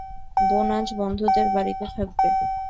বোন আজ বন্ধুদের বাড়িতে থাকবে।